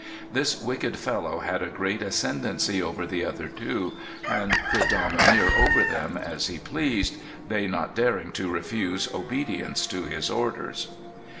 This wicked fellow had a great ascendency over the other two, and could domineer over them as he pleased, they not daring to refuse obedience to his orders."